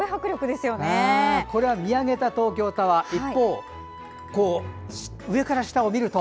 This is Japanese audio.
これは見上げた東京タワー一方、上から下を見ると。